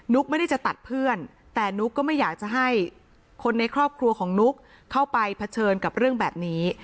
ุ๊กไม่ได้จะตัดเพื่อนแต่นุ๊กก็ไม่อยากจะให้คนในครอบครัวของนุ๊กเข้าไปเผชิญกับเรื่องแบบนี้